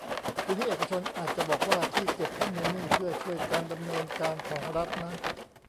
ทีนี้เอกชนอาจจะบอกว่า ที่เก็บข้อมูลนี่เพื่อช่วยการดำเนินการของรัฐนะ